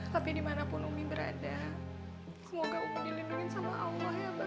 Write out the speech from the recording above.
tapi dimanapun umi berada semoga ubi dilindungi sama allah ya mbak